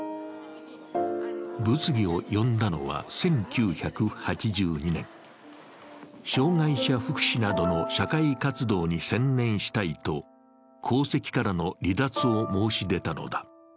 物議を呼んだのは１９８２年、障害者福祉などの社会活動に専念したいと皇籍からの離脱を申し出たのだ。